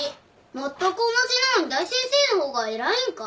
まったく同じなのに大先生の方が偉いんか？